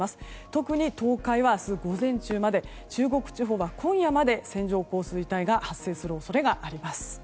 特に、東海は明日午前中まで中国地方は今夜まで線状降水帯が発生する恐れがあります。